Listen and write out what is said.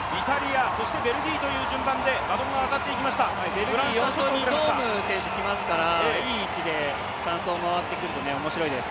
ベルギー、４走にドーム選手がきますからいい位置で３走回ってくると面白いです。